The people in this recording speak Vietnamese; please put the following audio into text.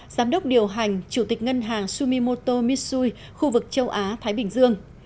giám đốc điều hành chủ tịch ngân hàng sumimoto mitsui khu vực châu á thái bình dương